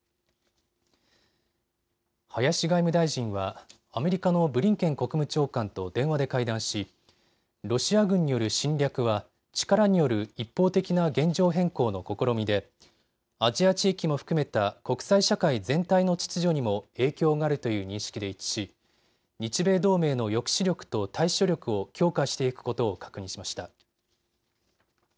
林外務大臣はアメリカのブリンケン国務長官と電話で会談しロシア軍による侵略は力による一方的な現状変更の試みで、アジア地域も含めた国際社会全体の秩序にも影響が出ている認識で一致し、日米同盟の抑止力と対処力を強化していくことを確認しました。